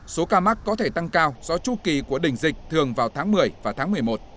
số ca mắc có thể tăng cao do chu kỳ của đỉnh dịch thường vào tháng một mươi và tháng một mươi một